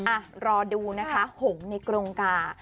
อ่ะรอดูนะคะหงในกรงกา